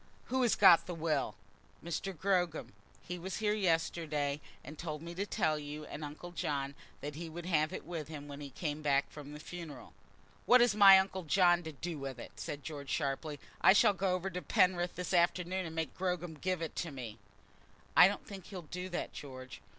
Who has got the will?" "Mr. Gogram. He was here yesterday, and told me to tell you and uncle John that he would have it with him when he came back from the funeral." "What has my uncle John to do with it?" said George, sharply. "I shall go over to Penrith this afternoon and make Gogram give it up to me." "I don't think he'll do that, George."